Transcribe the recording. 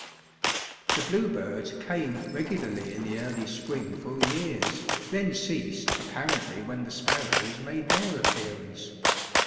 The bluebirds came regularly in the early spring for years, then ceased apparently when the sparrows made their appearance.